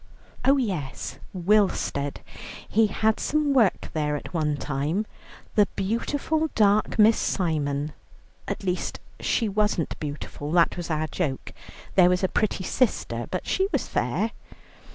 Oh yes, Willstead; he had some work there at one time. 'The beautiful dark Miss Simon.' At least, she wasn't beautiful, that was our joke; there was a pretty sister, but she was fair.